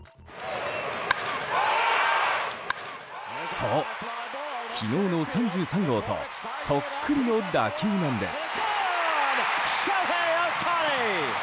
そう、昨日の３３号とそっくりの打球なんです。